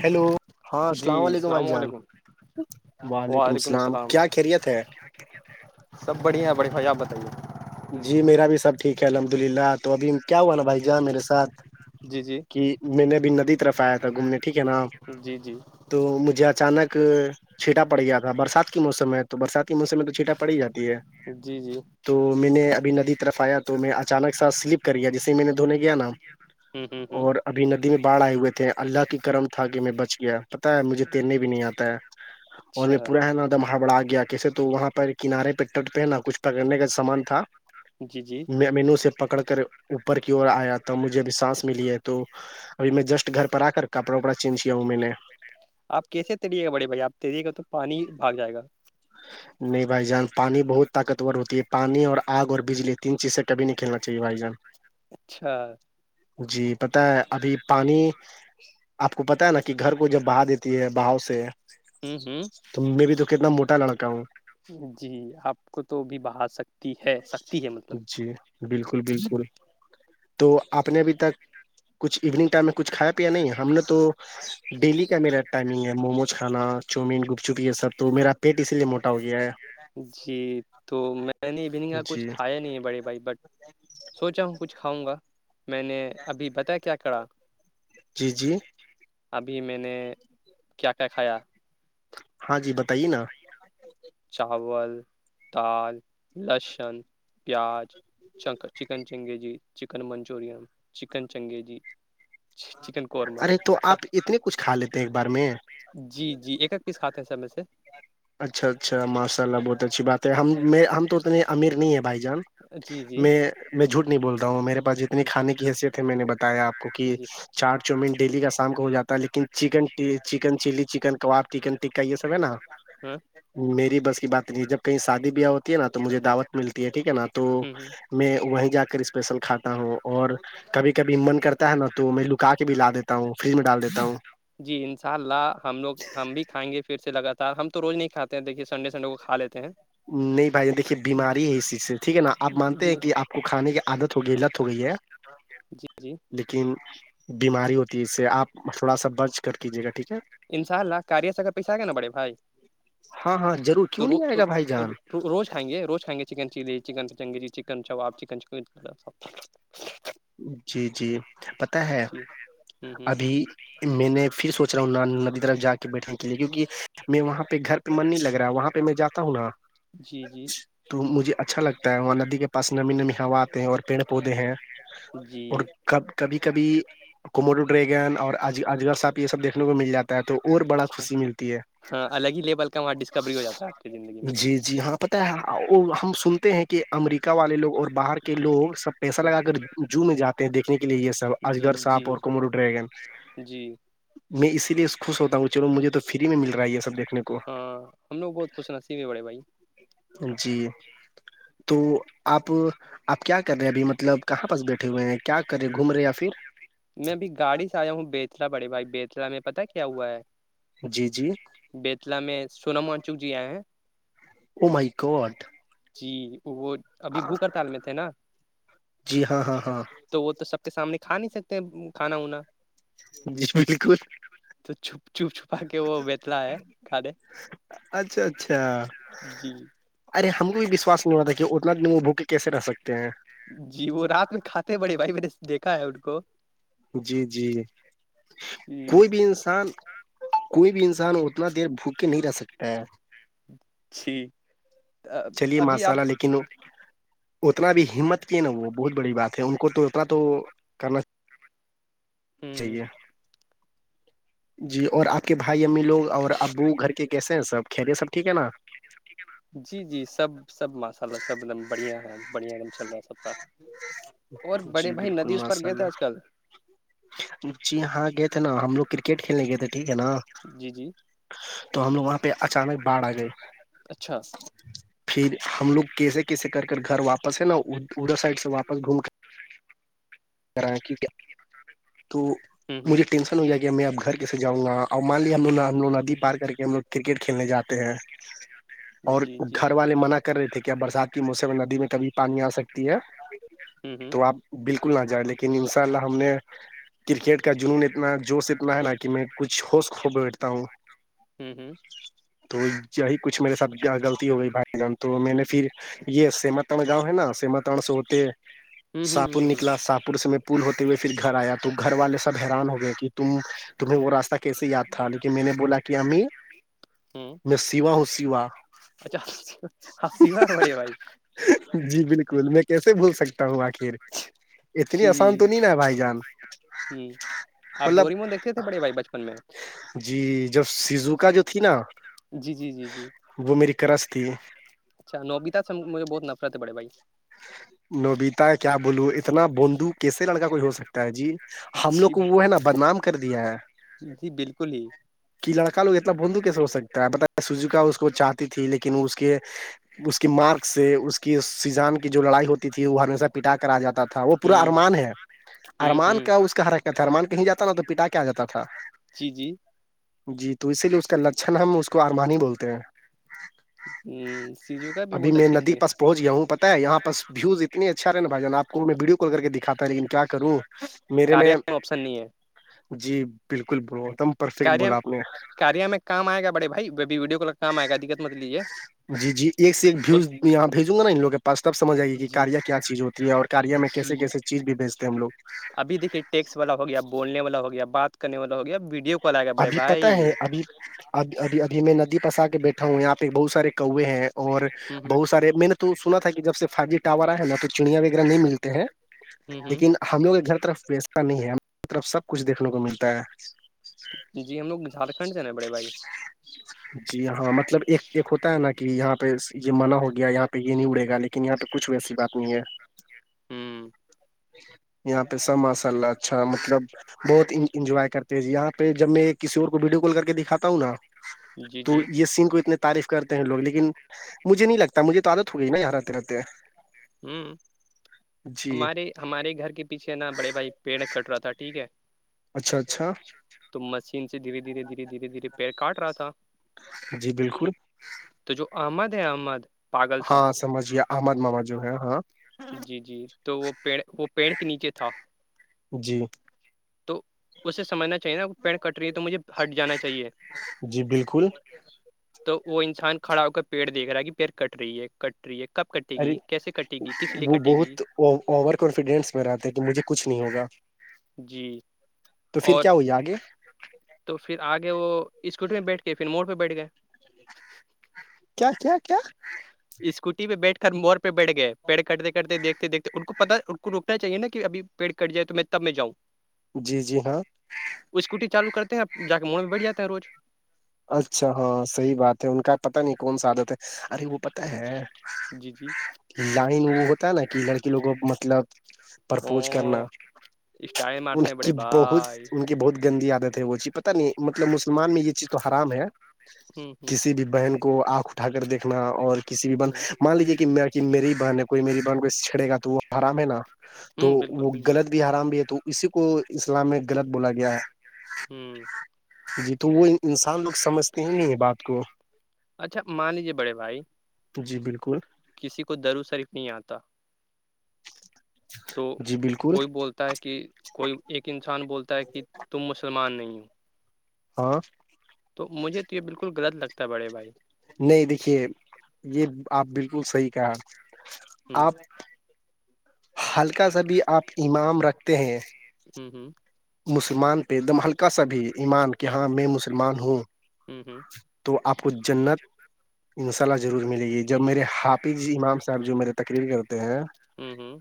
hello ہاں السلام علیکم بھائی جان وعلیکم السلام کیا خیریت ہے سب بڑھیا ہے بڑی خوشہ آپ بتائیے جی میرا بھی سب ٹھیک ہے الحمد للہ تو ابھی کیا ہوا نا بھائی جان میرےاتھ جی جی کہ میں نے ابھی ندی طرف آیا تھا گھومنے ٹھیک ہے نا جی جی تو مجھے اچانک چھیٹا پڑ گیا تھا برسات کے موسم میں تو برسات کے موسم میں تو چھینٹا پڑ ہی جاتی ہے جی جی تو میں نے ابھی ندی طرف آیا تو میں اچانک سا سلپ کر گیا جسے میں نے دھونے گیا نا ہوں ہوں ہوں اور ابھی ندی میں باڑھ آئے ہوئے تھے تھ اللہ کی کرم تھا کہ میں بچ گیا پتاہ ہے مجھے تیرنے بھی نہیں آتا ہے اور اچھا میں پورا ہے نا دم ہابڑا آ گیا کیسے تو وہاں پر کنارے پہ ٹ پہنا جی جی مینو سے پکڑ کر اوپر کی اورر آیا تھا مجھے اب سانس ملی ہے تو ابھی میں جسٹ گھر پر آ کر کپڑا وپڑا چینج کیا ہوں میں نے آپ کیسے تریے گا بڑے بھائی آپ تریے گا تو پانی بھاگ جائے گا نہیں بھائی جان پانی بہت طاقتور ہوتی ہے پانی اور آگ اور بجلی تین چیز سے کب نہیں کھیلنا چاہیے بھائی جان اچھا جی پتا ہے ابھی پانی آپ کو پتا ہے نا کہ گھر کو جب بہا دیتے ہے باؤ سے ہوں ہوں تو میں بھی تو کتنا موٹا لڑکا ہوں جی آپ کو تو بھی بہا سک ج جی بالکل بالکل تو آپ نے ابھی تک کچھ ایوننگ ٹائم میں کچھ کھایا نہیں ہم نے تو ڈیلی کا میرا ٹائمنگ ہے مومو کچھانا چاؤومین گپ چپی یہ سب تو میرا پیٹ اسی لیے موٹا ہو گیا ہے جی تو میں نے ایننگ کا جی کچھ کھایا نہیں ہے بڑے بھائی بٹ سوچا ہوں کچھ کاں گا میں نے ابھی بتا کیا کرا جی جی ابھی میں نے کیا کیا کھایا ہاں جی بتائیے نا چاول دال لہسن پیاز چک chicken changezi chicken Manchurian chicken changezi ھا چکن قورما ارے تو آپ اتنے کچھ کھا لیتے ہیں ایک بار میں جی جی ایک ایک پیس کھاتے ہیں سر میں سے اچھا اچھا ماشاء اللہ بہت اچھی بات ہے ہم ہم تو اتنے امیر نہیں ہے بھائی جان جی جی میں میں جھوٹ نہیں بول رہ ہوں میرے پاس جتنی کھانے کی حیثیت ہے میں نے بتایا آپ کو کہ جی چاٹ چوومٹ ڈیلی کا شام کا ہو جاتا ہے لیکن chicken chicken chilli chicken kebab chicken tikka یہ سب ہے نا ہوں میری بس کی بات نہیں جب کہیں شادی بیاہ ہوتی ہے نا تو مجھے دعوت ملتی ہے ٹھیک ہے نا تو ہ ہ میں وہیں جا کر اسپیشل کھاتا ہوں اور کبھی کبھی من کرتا ہے نا تو میں لکا کے بھی لا دیتا تا ہوں فریج میں ڈال دیتا ہوں جی انشاء اللہ ہم لوگ ہم بھی کھائیں گے پھر سے لگاتار ہم تو روز نہیں کھاتے ہیں دیکھیے سنڈے سنڈے کو کا لیتے ہیں نہیں بھائی دیکھیے بیماری ہے اس چیز سے ٹھیک ہے نا آپ مانتے جی جی ہیں کہ آپ کو کھانے کی عادت تو گی لت ہو گئی ہے جی جی لیکن بیماری ہوتی ہے اس سے آپ تھوڑا سا برج کر کیجیے گا ٹھیک ہے انشاء اللہ کاریہ سے اگر پیسہ آ گ نا بڑے بھائی ہاں ہاں ضرور تو کیوں نہیں آئے ر گا بھائی جان روز کائیں گے روز کائیں گے چن چلی چکن پنگی چکن چاب چکن س جی جی پت ہے جی ہ ہ ابھی میں نے پھر سوچ رہا ہوں ندی طرف جا کے بیٹھنے کے لیے کیونک میں وہاں پہ گھر پہ من نہیں لگ رہا ہے وہاں پہ میں جاتا ہوں نا جی جی تو مجھے اچھا لگتا ہے وہاں ندی کے پاس نمی نمی ہوات ہیں اور پیڑ پودے ہیں جی اور کب کبھی کبھی کمر ڈریگن اور اجر ساپ یہ سب دیکنے کو مل جا ہے تو اور بڑا خوشی ملتی ہے ہاں الگ ہی لیول کا وہاں ڈسکوری ہو جاتا ہے آپ کی زندگی میں جی جی ہاں پت ہے وہ ہم سنتے ہیں کہ کہ امریکہ والے لوگ اور باہر کے لوگ سب پیسہ لگا کر جو میں جاتے ہیں دیکھنے کے لیے یہ سب جی اجغر جی ساپ اور کمرو ڈریگن جی میں اسی لیے خوش ہوتا ہوں کہ چلو مجھے تو فری میں مل رہا ہے یہ سب دیکھنے کو بہتچھ نصیبے پڑے بھائی [unintelligible] جی تو آپ آپ کیا کر رہے ہیں ابھی مطلب کہاں پرس بیٹھے ہوئے ہیں کیا کرے گھومے یا پھر میں ا بھیھی گاڑی سے آیا ہوں بیتلا بڑے بھائی بیتلا میں پتا کیا ہوا ہے جی جی بیتلا میں سنام منچوک جی آئے ہیں امئی کوٹ جی وہ ابھی بھوکر تال میں تھے نا جی ہاں ہاں ہاں تو وہ تو سب کے سامنے کھا نہیں سکتے کھانا وناا جشم کور تو چپ چپ چھپا کے وہ بیتلا ہے کھے اچھا اچھا جی ارے ہم کو بھی وشواس نہیں ہوتا تھا کہ اتنا د وہ بھوکے کیسے رہ سکتے ہیں جی وہ رات میں کھاتے بڑے بھائی میں نے دیکھا ہے ان کو جی جی جی کوئی بھی انسان کوئی بھی انسان اتنا دیر بھوک کے نہیں رہ سکتا ہے جی چلیے ابھی آپ ماسالہ لیکن اتنا بھی ہمت کیے نا وہ بہت بڑی بات ہے ان کو تو اتنا تو کرنا ہ چاہیے جی اور آپ کے بھائی امی لوگ اور ابو گھر کے کیسے ہیں سب خری یہ سب ٹھیک ہے نا جی جی سب سب ماشاء اللہ سب ایک دم بڑھیا ہے بڑھیا ایک دم چل رہا س اور بڑے جی بھائی ندی بالکل اس پر ماشاء گئے اللہ تھے آج کل جی ہاں گئے تھے نا ہم لوگ کرکٹ کھیلنے گئے تھے ٹھیک ہے نا جی جی تو ہم لوگ وہاں پہ اچانک باڑھ آ گئے اچھا پھر ہم لوگ کیسے کیسے کر کر گھر واپس ہے نا ادھر سائڈ سے واپس گھوم کر کرا کیونکہ تو ہوں ہوں مجھے ٹینشن ہو گیا کہ میں اب گھر کیسےاں گا اور مان لیے ہم ل ہم لو ندی ہوں پار کر کے ہم لوگ کرکٹ کھیلنے جاتے ہیں [unintelligible] ہوں اور جی جی گھر والے منع کر رہے تھے کیا برسات کے موسم ندی میں کبھی پانی آ سکتی ہے ہوں ہوں تو آپ بالکل نہ جائے لیکن ان شاء اللہ ہم نے کرکٹ کا جنون اتنا جوش اتنا ہے نا کہ میں کچھ ہوش کھو بیٹھتا ہوں ہوں ہوں تو یہی کچھ میرے ساتھ غلطی ہو گئی بھائی جان تو میں نے پھر یہ سیمترن جاؤ ہے نا سیمتن سے ہوتے ہوں ہوں ساہپور ہوں ہوں نکلا ساہپور میں پول ہوتے ہوئے پھر گھر آیا تو گھر والے سب حیران ہو گئے کہ تم تمہیں وہ راستہ کیسے یاد تھا لیکن میں نے بولا کہ امی ہاں میں سیوا ہوں سیوا اچھا آ آپ سیو پے بائی جی بالکل میں کیسے بھول سکتا ہوں آخر اتنی جی آسان تو نہیں نا بھائی جان ہ آپ مطلب ڈورمون دیکھتے تھے بڑے بھائی بچپن میں جی جب سیزو کا جو تھی نا جی جی جی جی وہ میری کرس تھی اچھا نوبیتا سے مجھے بہت نفرت پڑے بھائی نبیتا کیا بولو اتنا بونندو کیسے لڑکا کوئی ہو سکتا ہے جی ہم لوگ جی کو وہ ہے نا بدنام کر دیا ہے جی بالکل ہی کہ لڑکا لو اتنا بونندو کیسے ہو سکتا ہے ب سجوک اس کو چ ت تھی لیکن اس کے اس کے مارک سے اس کی سی جان کے جو لڑائی ہوتی تھی وہ ہمیشہ پٹا کرا جاتا تھا وہ پورا ہوں ارمان ہے ہوں ارمان ہوں کیا اس کا حرکھ تھا ارمان کہیں جاتا نا تو پٹا کیا جاتا تھا جی جی جی تو اسی لیے اس کا لچھن ہم اس کو آرمانی بولتے ہیں ہ سیجو کا بھی ابھی بہت اچھا میں ندی پہنچ گیا ہوں پتا ہے یہ پس ویو اچھا نا بائی ج آپ کو میں وڈیو کال کر دکھاتا ہے لن کیا کروں میرے میں کاریہ آپشن نہیں ہے جی بالکل بتم کاریہ کاریا میں کام آئے گا بڑے بھائی بھی ویڈیو کال کام آئے گا دقت مت لیجیے جی جی ایک سے ایک ویوز یہاں بھیجوں گا نا ان لگوں پاس تب سمجھ آئے گی کہ جی کاریا کیا چیز ہوتی ہے اور کاریا میں کیس جی کیسے چیز بھیجتے ہیں ہم لوگ ابھی دیکھیے ٹیکسٹ والا ہو گیا بولنے والا ہو گیا بات کرنے والا ہو گیا ویڈیو کال آ گیا بڑے ابھی بھائی پتہ ہے ابھی اب ابھی ابھی میں ندی پسا کے بیٹھا ہوں یہاں پہ بہت سارے کے ہیں اور ہ بہت سے مت سنا تھا کہ جب سے فائیو جی ٹاور آئے نا تو چڑیاں وغیرہ نہیں ملتے ہیں ہ ہ لیکن ہم لوگ کے گھر طرف ویسا نہیں ہے ہم کی طرف سب کچھ دھنے کو ملتا ہے جی ہم لوگ جھارکھنڈ سے نا بڑے بھائی جی ہاں مطلب ایک ایک ہوتا ہے نا کہ یہاں پہ یہاں پہ یہ منع ہو گیا یہاں پہ یہ نہیں اڑے گا لیکن یہاں پہ کچھ ویسی بات نہیں ہے ہ [unintelligible] یہاں پہ سب ماشاء اللہ اچھا مطلب بہت انجوائے کرتے ہیں یہاں پہ جب میں کسی اور کو ویڈیو کال کر کے دکھاتا ہوں نا جی تو جی یہ سین کو اتنی تعریف کرتے ہیں لوگ لیکن مجھے نہیں لگتا مجھے تو عادت ہو گئی نا اں رہتے رہتے ہیں ہوں جی ہمارے ہمارے گھر کے پیچھے نا بڑے بھائی پیڑ کٹ رہا تھا ٹھیک ہے اچھا اچھا تو مشین سے دھیرے دھیرے دھیرے دھیرے دھیرے پیر کاٹ رہا تھا جی بالکل تو جو احمد ہے احمد پاگل سا ہاں سمجھیے آحمد مما جو ہے ہاں جی جی تو وہ پ وہ پیڑ کے نیچے تھا جی تو اسے سمجھنا چاہیے نا کی پیڑ کٹ رہی ہے تو مجھے ہٹ جانا چاہیے جی بالکل تو وہ انسان کھڑا ہو کر پیڑ دیکھ رہا ہے کہ پیڑ کٹ رہی ہے کٹ ری ہے کب کٹے ارے گی کیسے کٹے گی کس لیے وہ کٹے گی بہت اوور کانفیڈینس میں رہتا ہے کہ مجھے کچھ نہیں ہوگا جی تو پھر اور کیا ہوا آگے تو پھر آگے وہ اسکوٹی پے بیٹھ کے پھر موڑ پہ بیٹھ گئے کیا کیا کیا اسکوٹی پے بیٹھ کر موڑ پے بیٹھ گئے پیڑ کٹتے کٹتے دیکھتے دیکھتے ان کو پتا ان کو ہونا چاہے نا کہ ابھی پیڑ کٹ جائے تو میں تب میں جاؤں جی جی ہاں وہ اسکوٹی چالو کرتے ہیں جا کے موڑ میں بیٹھ جاتا ہے روج اچھا ہاں صحی بات ہے ان کا پتا نہیں کون سا عادت ہے ارے وہ پتا ہے جی جی لائن وہ ہوتا ہے نا کہ لڑکی لوگوں مطلب پرپوز کرنا او اسٹائل ان مارتے ہیں بڑے کی بہت بھائی ان کی بہت گندی عادت ہے وہ چیز پتا نہیں مطلب مسلمان میں یہ چیز تو حرام ہے ہمم کسی بھی بہن کو آنکھ اٹھا کر دیکھنا اور کسی بھی بہن مان لیجیے کہ میری ہی بہن کوئی میری بن کو چھیڑے گا تو وہ حرام ہے نا تو ہوں بالکل وہ بالکل غلط بھی حرام بھی ہے تو اسی کو اسلام میں غلط بولا گیا ہے ہ جی تو وہ انسان لوگ سمجھتے ہی نہیں ہے بات کو اچھا مان لیجیے بڑے بھائی جی بالکل کسی کو درود شریف نہیں آتا تو جی بالکل کوئی بولتا ہے کہ کوئی ایک انسان بولتا ہے کہ تم مسلمان نہیں ہو ہاں تو مجھے تو یہ بالکل غلط لگتا ہے بڑے بھائی نہیں دیکھیے یہ آپ بالکل صحی کہہ رہے ہ آپ ہلکا سا بھی آپ امان رکھتے ہیں ہوں ہوں مسلمان پہ ایک دم ہلکا سا بھی ایمان کہ ہاں میں مسلمان ہوں ہ تو آپ کو جنت انشاء اللہ ضرور ملے گی جب میرے حافظ امام صاحب جو میرے تقریر کرتے ہیں ہوں ہوں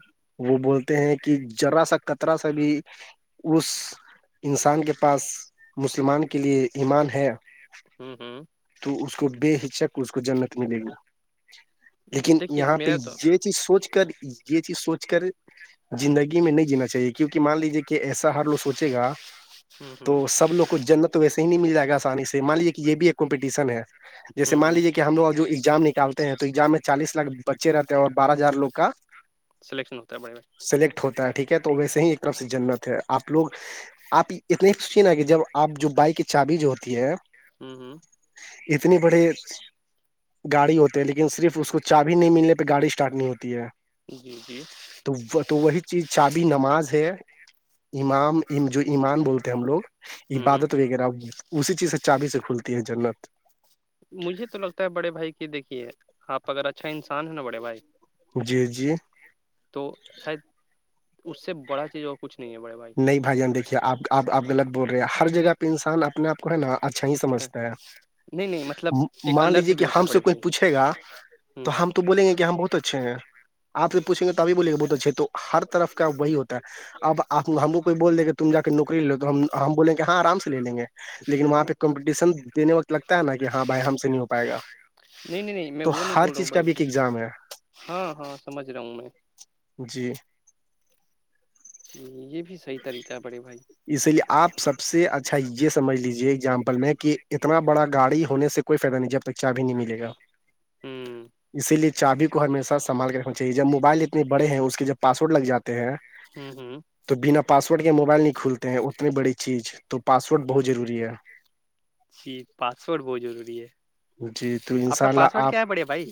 وہ بولتے ہیں کہ جرا سا کطرا سا بھی اس انسان کے پاس مسلمان کے لیے ایمان ہے ہوں ہوں تو اس کو بے ہچک اس کو جنت ملے گی لیکن دیکھیے یہاں پہ میرا تو یہ چیز سوچ کر یہ چیز سوچ کر زندگی میں نہیں جینا چاہیے کیونکہ مان لیجے کہ ایسا ہر لوگ سوچے گا ہوں ہوں تو سب لوگ کو جنت تو ویسے ہی نہیں مل جائے گا آسانی سے مان لیجیے کہ یہ بھی ایک کمپٹیشن ہے جیے ہوں مان ہوں لیجیے کہ ہم لوگ جو ایگزام نکالتے ہیں تو ایگزام میں چالیس لاکھ بچے رہتے ہیں اور بارہ ہزار لوگ کا سلیکشن ہوتا ہے بڑے سلیکٹ ہوتا ہے ٹھیک ہے تو ویسے ہی ایک طرف سے جنت ہے آپ لوگ آپ اتنی سوچیے نا کہ جب آپ جو بائک کی چابھی جو ہوتی ہے بھائی ہ اتنی بڑی گاڑی ہوتی لیکن صرف اس کو چابھی نہیں ملنے پہ گاڑی اسٹارٹ نہیں ہوتی ہے جی جی تو وہ تو وہی چیز چابھی نماز ہے ایمان جو ایمان بولتے ہیں ہم لوگ ہ عبادت وغیرہ بول اسی چیز سے چابھی سے کھلتی ہے جنت مجھے تو لگتا ہے بڑے بھائی کی دیکھیے آپ اگر اچھا انسان ہے نا بڑے بھائی جی جی تو شاید اس سے بڑا چیز اور کچھ نہیں ہے بڑے بات نہیں بھائی جان دیکھیے آپ آپ غط بول رہے ہر جگہ پہ انسان اپنے آپ کو ہے نا اچھا یہ سمجھتا ہے نہیں نہیں مطلب ایک مان لیجیے کہ ہم سے کوئی پوچھے گا ھمم تو ہم تو بول گے کہ ہم بہت اچھے ہیں آپ سے پوچھیں گے تبھی بولے گا بہت اچھے تو ہر طرف کا وہی ہوتا ہے اب آپ ہم کوئی بول دے کہ تم جا کے نوکری لو تو ہم بول گ کہ ہاں آرام سے ل گے لیکن وہاں پہ کمپٹیشن دینے وقت لگتا ہے نا کہ ہاں بھائی ہم سے نہیں ہو پائے گا نہیں نہیں نہیں میں تو وہ نہیں ہر بول رہا ہوں چیز کا بڑے بھی ایک بھائی ایگزام ہے ہاں ہاں سمجھ رہا ہوں میں جی ج یہ بھی صحیح طریقہ ہے بڑے بھائی اسی لیے آپ سب سے اچھا یہ سمجھ لیجیے ایگزامپل میں کہ اتنا بڑا گاڑی ہونے سے کوئی فائدہ نہیں ج جب تک چاہ بھی نہیں ملے گا ھمم اسی لیے چابی کو ہمیشہ سنبال کر رنا چاہیے جب موبائل اتنے بڑے ہیں اس کے جب پاسورڈ لگ جاتے ہیں ھمم ھمم تو بنا پاسورڈ کے موبائل نہیں کھولتے ہیں اتنی بڑی چیز تو پاسورڈ بہت ضروری ہے جی پاسورڈ بہت ضروری ہے جی تو ان آپ شاء کا اللہ پاسورڈ آپ کیا ہے پڑے بھائی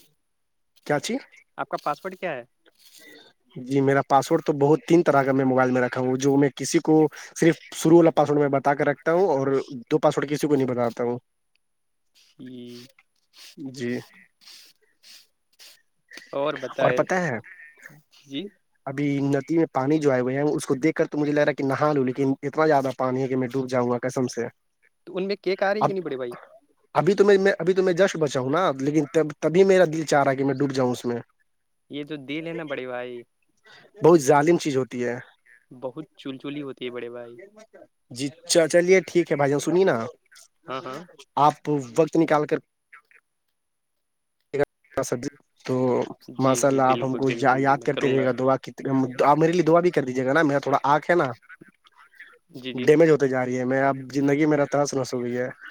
کیا چی آپ کا پاسپورٹ کیا ہے جی میرا پاسورڈ تو بہت تین طرح کا موبائل میں رکھا ہوں جو میں کسی کو صرف شروع والا پاسوڈ میں بتا کے رکھتا ہوں اور دو پاسورڈ کسی کو نہیں بتاتا ہوں جی جی اور بتائے پتہ ہے جی ابھی ندی میں پانی جو آئے ہوئے ہیں اس کو دیک کر تو مجھے لگ رہا ہے کہ نہا لو لیکن اتنا زیادہ پانی ہے کہ میں ڈوب جاؤں گا کسم سے تو ان میں کیک آ رہی ہے اب کہ نہیں بڑے بھائی ابھی تو میں میں ابھی تو میں جشک بچا ہں نا لیکن تبھی میرا دل چاہ رہا کہ میں ڈوب جاؤں اس میں یہ تو دل ہے نا بڑی بھائی بہت ظالم چیز ہوتی ہے بہت چول چو ہوتی ہے بڑے بھائی جی چلیے ٹھیک ہے بھائی جان سنیے نا ہاں ہاں آپ وقت نکال کر سبزی تو جی ماشاء جی اللہ آپ ہم بالکل کو بالکل یاد میں کرتے کروں رہے گا دعا کت آپ میرے لیے دعا بھی کر دیجیے گا نا میرا تھوڑا آنکھ ہے نا جی جی ڈیمیج ہوتا جا رہی ہے میں اب زندگی میرا تس نسو گئی ہے